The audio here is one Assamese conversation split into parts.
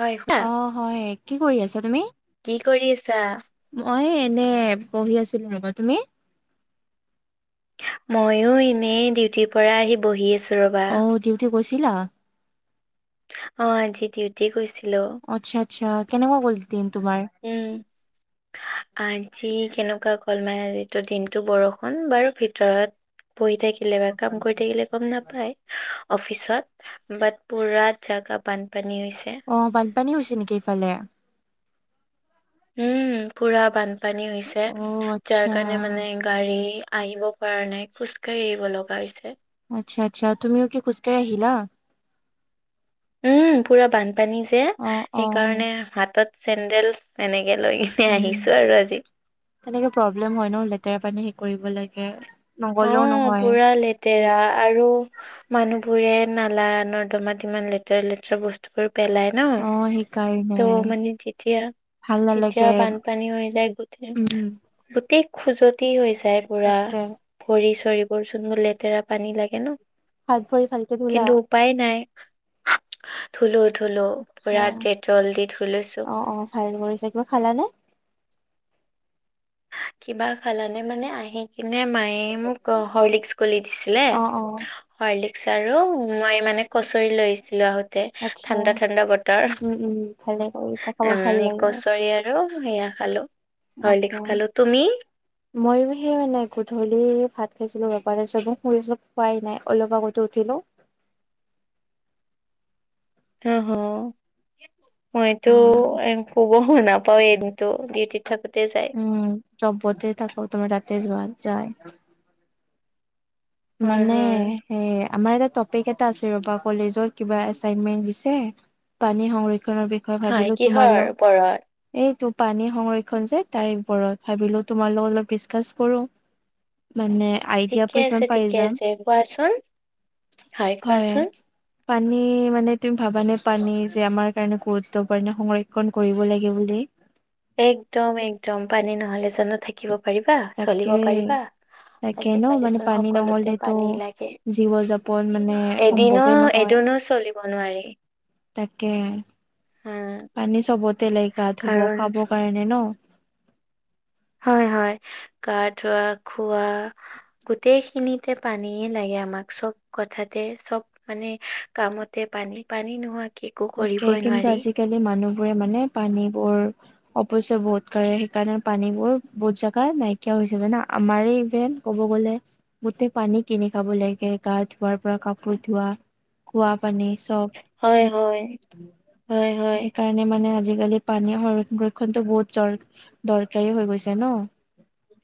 হয় শুনা অ হয় কি কৰি আছা তুমি? কি কৰি আছা? মই এনে পঢ়ি আছিলো ৰবা। তুমি? মইও এনেই ডিউটিৰ পৰা আহি বহি আছো। ৰবা। অ ডিউটি গৈছিলা? অ, আজি ডিউটি গৈছিলো। আচ্ছা - আচ্ছা, কেনেকুৱা গ'ল দিন তোমাৰ? উম আজি কেনেকুৱা গল মানে দিনটো বৰষুণ বাৰু ভিতৰত পঢ়ি থাকিলে বা কাম কৰি থাকিলে গম নাপায়। অফিচত বাট পুৰা জাগা বানপানী হৈছে। অ বানপানী হৈছে নেকি ইফালে? উম পুৰা বানপানী হৈছে, অ যাৰ আচ্ছা কাৰণে মানে- গাড়ী আহিব পৰা নাই, খোজ কাঢ়ি আহিব লগা হৈছে। আচ্ছা - আচ্ছা, তুমিও কি খোজকাঢ়ি আহিলা? উম, পুৰা বানপানী যে অ অ সেইকাৰণে হাতত চেন্দেল এনেকে লৈ সে উম আহিছো আৰু আজি। তেনেকে প্ৰব্লেম হয় ন লেতেৰা পানী হে কৰিব লাগে। অ, নগলেও নহয় পুৰা লেতেৰা আৰু। মানুহ বোৰে নালা নৰ্দমাত ইমান লেতেৰা লেতেৰা বস্তুবোৰ পেলাই। ন, অ সেইকাৰণে ত মানে যেতিয়া ভাল নালাগে তেতিয়া বানপানী হৈ যায় গোটেই। উম গোটেই খোজতি হৈ যায় পুৰা। তাকে ভৰি চৰিবোৰচোন লেতেৰা পানী লাগে ন। হাত ভৰি ভালকে ধুলা? কিন্তু উপায় নাই ধুলো - ধুলো আচ্ছা পুৰা ডেটল দি ধুই লৈছো। অ অ ভাল কৰিছে। কিবা খালা নে? কিবা খালানে মানে আহি কিনে মায়ে মোক হৰ্লিক্স গুলি দিছিলে। অ অ হৰ্লিক্স আৰু মই মানে কচৰি লৈ আহিছিলো আহোতে। আচ্ছা ঠাণ্ডা - ঠাণ্ডা বতৰ, উম, উম, ভালে কৰিছা খাব উম, ভাল লাগে। একচৰীয়া। আৰু সেয়া খালো হৰ্লিক্স খালো। তুমি? ময়ো সেই মানে গধূলি ভাত খাইছিলো বোৰ চব শুই খোৱাই নাই অলপ আগতে উঠিলো। অহ, হ মইতো অ', খুব শুনা পাও এদিনতো ডিউটিত থাকোতে যায়। চবতে থাকো তোমাৰ তাতে যোৱা যায়। হয় মানে হয় সেই আমাৰ এটা টপিক এটা আছে ৰবা কলেজত কিবা এচাইনমেন্ট দিছে, পানী সংৰক্ষনৰ বিষয়ে হয় ভাবিলো তোমাৰ কিহৰ লগ ওপৰত এইটো পানী সংৰক্ষণ যে তাৰে ওপৰত ভাবিলো তোমাৰ লগ অলপ দিচকাচ কৰো। মানে আই দিয়া ঠিকে আছে পিছত ঠিকে আছে কোৱাচোন হয় কোৱাচোন? পানী মানে তুমি ভাবানে পানী যে আমাৰ কাৰণে গুৰুত্বপূৰ্ণে সংৰক্ষন। ফন কৰিব লাগে বুলি। একদম - একদম পানী নহলে জানো থাকিব পাৰিবা, চলিব তাকে পাৰিবা? তাকে ন আজিকালি মানে চোন পানী সকলোতে নহলেতো পানী লাগে জীৱ যাপন মানে এদিনো সম্ভৱে - নহয় এদিনোচ চলিব নোৱাৰি। তাকে উম পানী চবতে লাইকা গাধুব কাৰণ খাব কাৰণে ন। হয় - হয় গা ধোৱা খোৱা। গোটেইখিনিতে পানী লাগে আমাক চব কথাতে চব মানে কামতে পানী - পানী নোহোৱাকে একো তাকে কৰিবই কিন্তু নোৱাৰি। আজিকালি মানুহবোৰে মানে পানীবোৰ অপশ্যয় বহুত কৰে সেইকাৰণে পানীবোৰ বহুত জেগা নাইকিয়া হৈ হৈছে মানে আমাৰ যেন ক'ব গ'লে গোটেই পানী কিনি খাব লাগে গা ধোৱাৰ পৰা কাপোৰ ধোৱা। খোৱা পানী চব। হয়-হয়। সেইকাৰণে মানে', - মানে', আজিকালি পানী সংৰক্ষণটো বহুত দৰ', - দৰকাৰী হৈ গৈছে ন',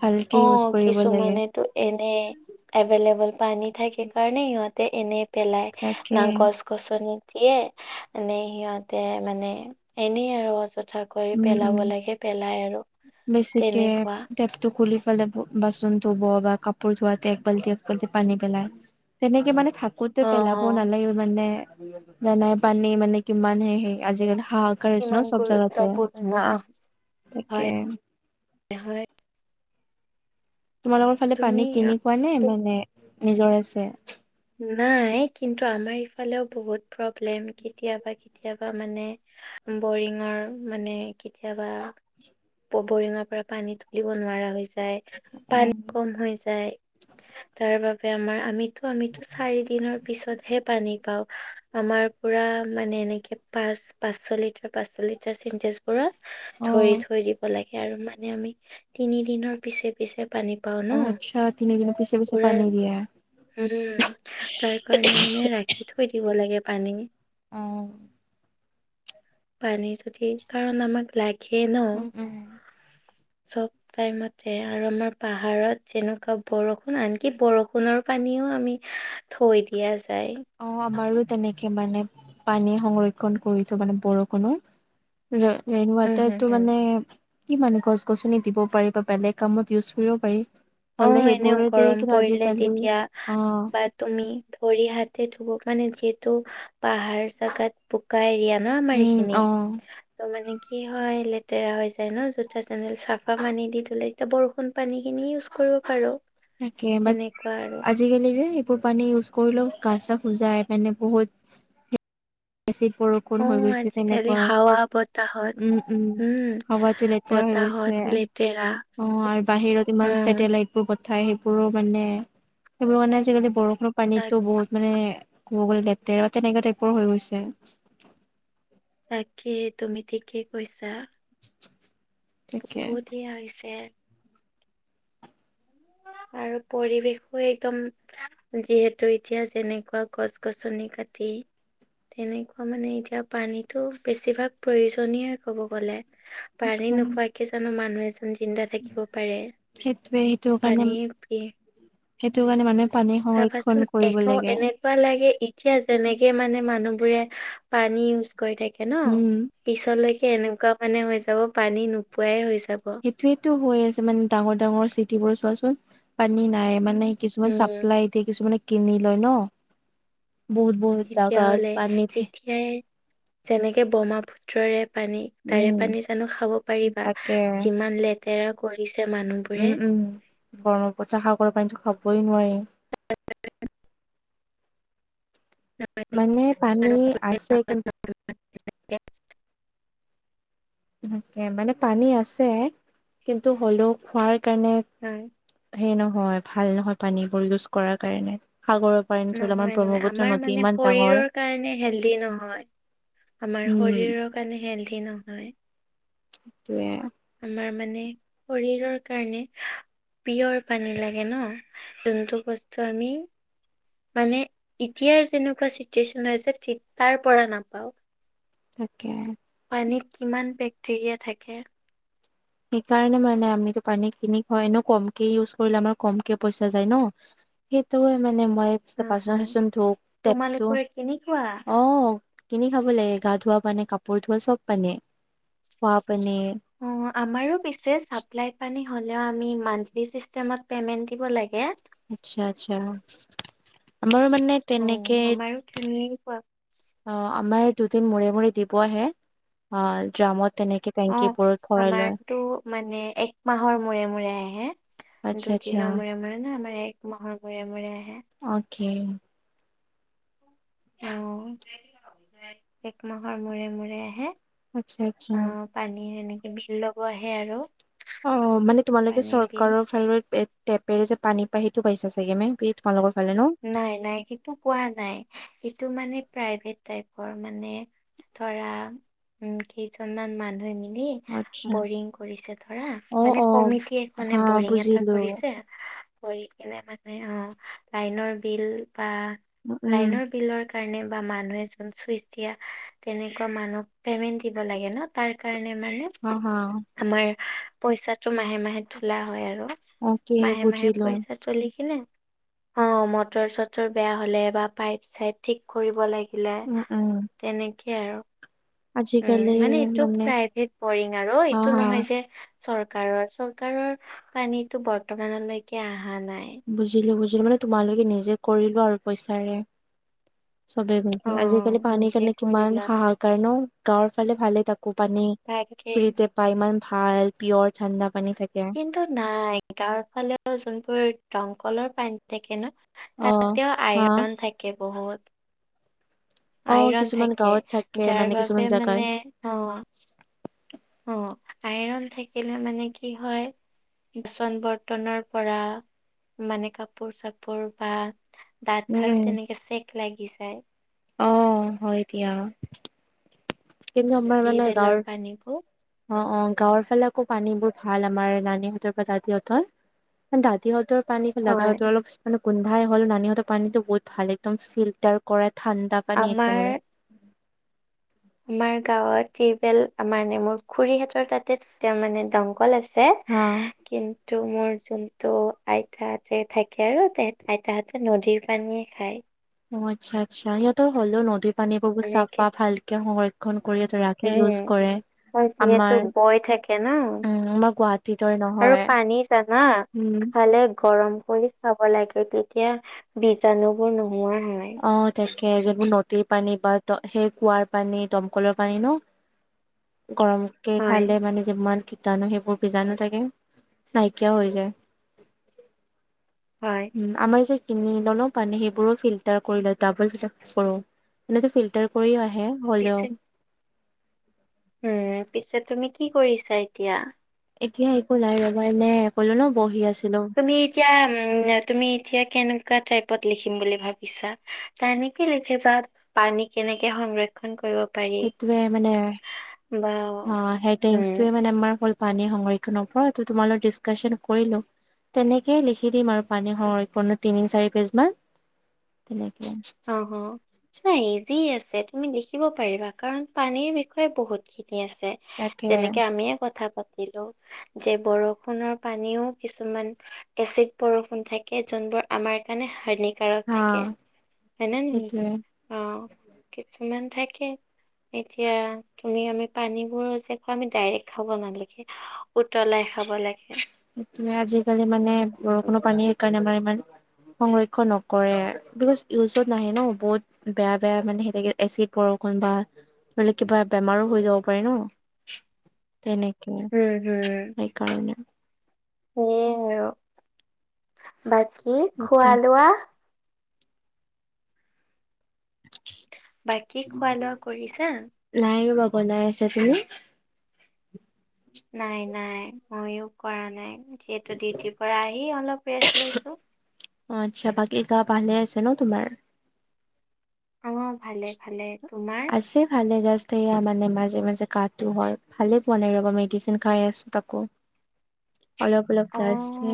ভালকে ইউজ কৰিব লাগে', ত', এনে এভেইলেবল পানী থাকে কাৰণে সিহঁতে এনে', পেলাই', তাকে ইমান গছ', গছনিত দিয়ে এনে সিহঁতে মানে এনেই আৰু য'ত চা কৰি উম পেলাব উম লাগে পেলাই আৰু বেছিকে তেনেকুৱা। টেপটো খুলি পেলাই বাচন ধুব বা কাপোৰ ধোৱাতে একবাল্টি একবাল্টি পানী পেলাই। তেনেকে মানে থাকোতে অ', পেলাবও অ', নালাগে মানে। নাই', - নাই', পানী মানে কিমান হে', সেই আজিকালি শাক', কিমান গুৰুত্বপূৰ্ণ অহ', তাকে হয়', - হয়', তোমালোকৰ ফালে তুমি পানী আ, কিনি খোৱা নে, মানে নিজৰ আছে', নাই, কিন্তু আমাৰ ইফালেও বহুত প্ৰব্লেম কেতিয়াবা -কেতিয়াবা মানে', বৰিঙৰ মানে কেতিয়াবা', ব', -বৰিঙৰ পৰা পানী তুলিব নোৱাৰা হৈছে', যায়, অ পানী কম হৈ যায় তাৰ বাবে আমাৰ আমিতো', চাৰি দিনৰ পিছত', হে', পানী পাওঁ, আমাৰ পুৰা মানে এনেকে পাঁচ পাঁচশ লিটাৰ, পাঁচশ লিটাৰ চিনটেজ', পুৰা অ ধৰি থৈ দিব লাগে আৰু মানে আমি তিনি দিনৰ পিছে- পিছে পানী', পাওঁ অ ন', আচ্ছা তিনিদিনৰ পিছে পিছে পুৰা পানী দিয়া উম', তাৰ কাৰণে মানে ৰাখি থৈ দিব লাগে পানী', অহ', পানী যদি, কাৰণ আমাক লাগে ন, উম উম চব', টাইমতে আৰু আমাৰ পাহাৰত যেনেকুৱা বৰষুণ আনকি বৰষুণৰ পানীও আমি', থৈ দিয়া যায়', অহ', আমাৰো তেনেকে মানে পানী সংৰক্ষণ কৰি থওঁ মানে বৰষুণৰ', ৰেন', উম, -ৰেনৱাটাৰ হুম, তো হুম। মানে', কি মানে গছ গছনি দিব পাৰি বা বেলেগ কামত ইউজ কৰিব পাৰি', হ'লে, অ', এনেও সেইবোৰত দে গৰম কিবা পৰিলে আজিকালি, তেতিয়া অ', বা তুমি ভৰি হাতে ধুব মানে যিহেতু পাহাৰ জাগাত', বোকা এৰিয়া ন আমাৰ উম এইখিনি', অ ত', মানে কি হয় লেতেৰা হৈ যায় ন জুতা চেন্দেল চাফা পানী দি ধুলে, এতিয়া বৰষুণ পানী খিনি ইউজ', কৰিব পাৰোঁ', তাকেই, বাট সেনেকুৱা আৰু। আজিকালি যে এইবোৰ পানী ইউজ কৰিলেও গা চা খুজাই মানে বহুত', এচিড পৰো', অ', আজিকালি হাৱা বতাহত উম', হাৱাটো লেতেৰা হৈ বতাহত গৈছে লে', লেতেৰা', অ', আৰু বাহিৰত ইমান অ', ছেটেলাইট', বহু কথাই সেইবোৰো মানে, সেইবোৰ মানে আজিকালি বৰষুণৰ তাক পানীতো বহুত', মানে ক'ব গ'লে লেতেৰা বা তেনেকা টাইপৰ হৈ গৈছে', তাকে, তুমি ঠিকেই কৈছা', [unintelligible] তাকে বহুততেই হৈছে', আৰু পৰিৱেশো একদম', যিহেতু এতিয়া যেনেকুৱা গছ গছনি কাটি', তেনেকুৱা মানে এতিয়া পানীতো বেছিভাগ প্ৰয়োজনীয় ক'ব গ'লে', পানী নোখোৱাকে জানোঁ মানুহ এজন জিন্দা থাকিব পাৰে? সেইটোৱে', কাৰণে পানীৰ পি', সেইটো কাৰণে মানুহে পানী সংৰক্ষণ কৰিব লাগে', এনেকোৱা লাগে, এতিয়া যেনেকে মানে মানুহবোৰে পানী', কৰি থাকে ন, উম পিছলৈকে এনেকুৱা মানে হৈ যাব পানী নোপোৱাই হৈ যাব। এইটোয়েতো হৈ আছে মানে ডাঙৰ -ডাঙৰ চিটি বোৰ চোৱাচোন পানী নাই মানে কিছুমান উম চাপ্লাই দে কিছুমানে কিনি লয় ন' বহুত বহুত তাকাত পানীত থে সেয়াই, যেনেকে ব্ৰহ্মাপুত্ৰৰে পানী', উম তাৰে পানী জানোঁ খাব পাৰিবা, তাকে যিমান লেতেৰা কৰিছে উম মানুহবোৰে', উম ব্ৰহ্মপুত্ৰ, সাগৰৰ পানীতো খাবই নোৱাৰি', নহয়', মানে পানী আছে কিন তাকে মানে পানী আছে কিন্তু হ'লেও খোৱাৰ কাৰণে হয়। সেই নহয় ভাল নহয় পানী বোৰ ইউজ কৰাৰ কাৰণে সাগৰত নহয় -নহয় আমাৰ মানে শৰীৰৰ কাৰণে হেলডি নহয়। আমাৰ উম শৰীৰৰ কাৰণে হেলথি নহয়। টোয়ে, আমাৰ মানে শৰীৰৰ কাৰণে পিয়ৰ পানী লাগে ন'। যোনটো বস্তু আমি মানে ইতিয়াৰ যেনেকুৱা চিটুৱেশ্যন হৈছে ঠিক তাৰ পৰা নাপাওঁ। তাকে। পানীত কিমান বেক্টেৰিয়া থাকে। সেইকাৰণে মানে আমিতো পানী খিনি খয় এনে কমকে ইউজ কৰিলে আমাৰ কমকে পইচা যায় ন সেইটোৱে মানে মই পিচে অ বাচন হয় চাচন ধুও টেপটো তোমালোকৰ কেনেকুৱা আহ। কিনি খাব লাগে গা ধোৱা পানী, কাপোৰ ধোৱা চব পানী, খোৱা পানী। অ, আমাৰো পিছে চাপ্লাই পানী হ'লেও আমি মান্থলি চিষ্টেমত পেমেন্ট দিব লাগে। আচ্ছা- আচ্ছা আমাৰ মানে অ', তেনেকে আমাৰো তেনেকুৱা অ, আমাৰ দুদিন মূৰে - মূৰে দিব আহে অ ড্ৰামত তেনেকে অ', টেংকী বোৰত ভৰাই লয়। আমাৰতো মানে এক মাহৰ মূৰে -মূৰে আহে আচ্ছা, আচ্ছা, দুদিনৰ মূৰে- মূৰে নহয় আমাৰ এক মাহৰ মূৰে -মূৰে আহে। অকে। অ, একমাহৰ মূৰে-মূৰে আহে। আচ্ছা- আচ্ছা। অ', পানী সেনেকে বিল লব আহে আৰু। অ, মানে তোমালোকে পানীৰ বিল। চৰকাৰৰ ফালৰ টেপেৰে যে পানী পায় সেইটো পাইছা চাগে [unintelligible] তোমালোকৰ ফালে ন? নাই -নাই সেইটো কোৱা নাই সেটো মানে প্ৰাইভেট টাইপৰ মানে ধৰা উম, কেইজনমান মানুহে মিলি আচ্ছা, বৰিং কৰিছে ধৰা অ', মানে অ', কমিটি এখনে হা বৰিং এটা বুজিলো। কৰিছে। কৰি কিনে মানে অ, লাইনৰ বিল বা উম, উম, লাইনৰ বিলত কাৰনে বা মানুহে চুন চুইচ দিয়া, তেনেকোৱা মানুহক পেমেন দিব লাগে ন তাৰ কাৰণে মানে- হ -হ। আমাৰ পইচাটো মাহে -মাহে তোলা হয় আৰু অকে মাহে -মাহে বুজিলো। পইচা চলি কিনে অ, মটৰ- চটৰ বেয়া হলে বা পাইপ - চাইপ ঠিক কৰিব লাগিলে উম, উম, তেনেকে আৰু। উম, মানে এইটো প্ৰাইভেট বৰিং আৰু হা, এইটো হা, নহয় যে চৰকাৰৰ - চৰকাৰৰ পানীতো বৰ্তমানলৈকে আহা নাই। বুজিলো -বুজিলো মানে তোমালোকে নিজে কৰিলোৱা আৰু পইচাৰে। চবেই মিলি অ', আজিকালি পানীৰ নিজে কাৰনে কৰি কিমান লোৱা হাহাকাৰ ন, গাঁৱৰ ফালে ভালে তাত- উ, পানী তাকেই। ফ্ৰীতে পায় ইমান ভাল পিয়ৰ ঠাণ্ডা পানী থাকে। কিন্তু নাই গাঁৱৰ ফালেও যোনবোৰ দমকলৰ পানী থাকে ন, অ তাতেও হা আইৰন থাকে বহুত। অ আইৰন কিছুমান থাকে গাঁৱত থাকে যাৰ মানে কিছুমান বাবে জেগাত মানে অ অ, আইৰন থাকিলে মানে কি হয় বাচন - বৰ্তনৰ পৰা মানে কাপোৰ - চাপোৰ বা দাঁত - উম চাত উম তেনেকে চেক লাগি যায়। অ হয় দিয়া। কিন্তু আমাৰ মানে গাঁৱৰ আনিব। অ অ গাঁৱৰ ফালে আকৌ পানীবোৰ ভাল আমাৰ নানীহঁতৰ পৰা দাদিহঁতৰ। এ দাদীহঁতৰ পানী হয় দাদাহঁতৰ অলপ মানে গোন্ধাই হল নানিহতৰ পানীতো বহুত ভাল একদম ফিল্টাৰ কৰে ঠাণ্ডা পানী আমাৰ একেবাৰে। আমাৰ গাঁৱত টিউপেল মানে মোৰ খুৰীহতৰ তাতে মানে দমকল আ ছে হা কিন ন্তু মোৰ যোনটো আইতাহঁতে থাকে আৰু তেহেত আইতাহঁতে নদীৰ পানীয়ে খায়। অ আচ্ছা আচ্ছা, সিহঁতৰ হলেও নদীৰ পানী বহুত এনেকে চাফা ভাল। সংৰক্ষণ কৰিয়েতো ৰাখে ইউজ কৰে। হয় যিহেতু আমাৰ বৈ থাকে না উম আমাৰ গুৱাহাটীৰ দৰে আৰু নহয়। পানী জানা? উম। খালে গৰম কৰি খাব লাগে, তেতিয়া বীজাণুবোৰ নোহোৱা হয়। অ তাকে যদি নদীৰ পানী বা দ সেই কুঁৱাৰ পানী, দমকলৰ পানী ন গৰমকে হয় খালে মানে যিমান কীটানো সেইবোৰ বীজাণু থাকে, নাইকিয়াও হৈ যায়। হয় উম আমাৰ যে কিনি ললো পানী সেইবোৰো ফিল্টাৰ কৰি লয় ডাবল ফিল্টাৰ কৰো, এনেতো ফিল্টাৰ কৰিয়ে আহে। হলেও পিছে উম পিছে তুমি কি কৰিছা এতিয়া এতিয়া একো নাই ৰবা এনে কলো ন বহি আছিলো তুমি এতিয়া উ তুমি এতিয়া কেনেকোৱা টাইপত লিখিম বুলি ভাবিছা? এনেকৈ লিখিবা পানী কেনেকে সংৰ ক্ষন কৰিব পাৰি সেইটোৱে মানে বা অ সেইটো হিনচটোয়ে উম মানে আমাৰ হল পানী সংৰক্ষনৰ ওপৰত ত তোমাৰ লগত ডিচকাচন কৰিলো, তেনেকেই লিখি দিম আৰু। পানী সংৰক্ষণৰ তিনি - চাৰি পেজ মান তেনেকে। অ হ। নাই ইজি আছে, তুমি লিখিব পাৰিবা কাৰণ পানীৰ বিষয়ে বহুতখিনি আছে। তাকে। যেনেকে আমিয়ে কথা পাতিলো যে বৰষুণৰ পানীও কিছুমান এচিড বৰষুণ থাকে যোনবোৰ আমাৰ কাৰণে হানিকাৰক হা থাকে। হয়নে নে নহয় সেইটোয়ে অহ কিছুমান থাকে এতিয়া তুমি আমি পানীবোৰ যে খোৱা, আমি ডাইৰেক্ট খাব নালাগে। উতলাই খাব লাগে। মানে আজিকালি মানে বৰষুণ পানীৰ কাৰণে আমাৰ ইমান সংৰক্ষন নকৰে বিকজ ইউজত নাহে ন বহুত বেয়া বেয়া মানে সেনেকে এচিড বৰষুণ বা ধৰি লওক কিবা বেমাৰো হৈ যাব পাৰে ন তেনেকে উম, সেইকাৰণে সেইয়ে আৰু বাকী সেইটোৱে। খোৱা লোৱা বাকী খোৱা লোৱা কৰিছা নাই ৰ'বা বনাই আছে তুমি নাই নাই ময়ো কৰা নাই যিহেতু ডিউটিৰ পৰা আহি অলপ ৰেষ্ট লৈছো অ আচ্ছা বাকী গা ভালে আছে ন তোমাৰ অ' ভালে ভালে তোমাৰ? সে ভালে জাষ্ট সেয়া মানে মাজে মাজে কাহতো হয় ভালে পোৱা নাই ৰবা মেডিচিন খাই আছো তাকো। অলপ অলপ অ ৰাছে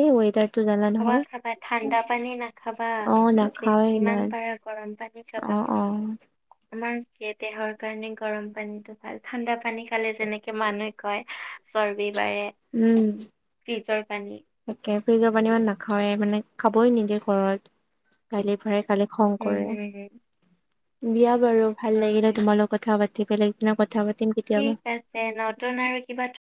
এই ৱইদাৰ টো। খাবা খাবা ঠাণ্ডা পানী নাখাবা অ বেছি নাখাওৱে যিমান ইমান পাৰা গৰম পানী অ খাবা অ আমাৰ দেহৰ কাৰণে গৰম পানীটো ভাল ঠাণ্ডা পানী খালে যেনেকে মানুহে কয় চৰ্বি বাঢ়ে। উম। ফ্ৰিজৰ পানী তাকে ফ্ৰিজৰ পানী ইমান নাখাওয়ে মানে খাবই নিদিয়ে ঘৰত গালি পাৰে। খালে খং হম কৰে হম দিয়া বাৰু ভাল হম লাগিলে হয় তোমালোক। কথা পাতি বেলেগদিনা কথা পাতিম। কেতিয়াবা ঠিক আছে নতুন আৰু কিবা ট্ৰফিক।